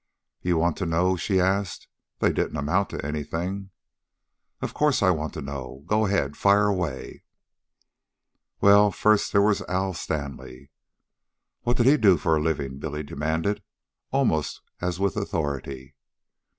"You want to know?" she asked. "They didn't amount to anything." "Of course I want to know. Go ahead. Fire away." "Well, first there was Al Stanley " "What did he do for a livin'?" Billy demanded, almost as with authority.